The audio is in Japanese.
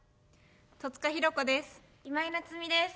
戸塚寛子です。